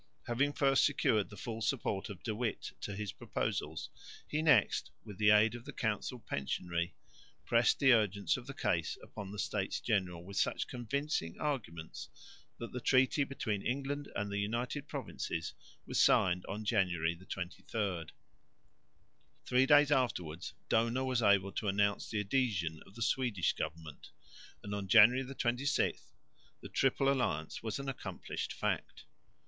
Having first secured the full support of De Witt to his proposals, he next, with the aid of the council pensionary, pressed the urgency of the case upon the States General with such convincing arguments that the treaty between England and the United Provinces was signed on January 23. Three days afterwards Dohna was able to announce the adhesion of the Swedish government; and on January 26, the Triple Alliance was an accomplished fact.